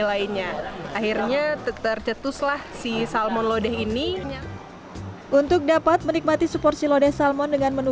lainnya akhirnya tercetuslah si salmon lodeh ini untuk dapat menikmati seporsi lodeh salmon dengan menu